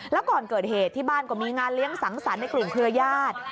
แล้วก่อนเกิดเหตุที่บ้านก็มีงานเลี้ยงสังสรรค์ในกลุ่มเครือญาติ